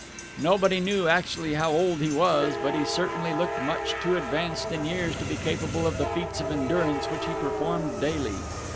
Nobody knew actually how old he was, but he certainly looked much too advanced in years to be capable of the feats of endurance which he performed daily.